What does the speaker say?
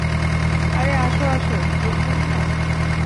আরে, আসো আসো রুকমনি মা।